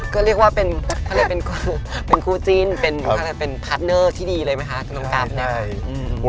ก็เรียกว่าเป็นคู่จิ้นเป็นที่ดีเลยไหมค่ะ